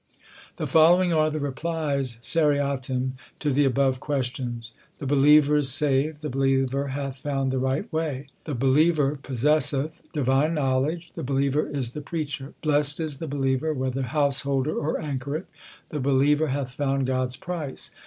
The following are the replies seriatim to the above questions : The believer is saved : the believer hath found the right way; The believer possesseth divine knowledge ; the believer is the preacher. Blest is the believer, whether householder or anchoret ; the believer hath found God s price.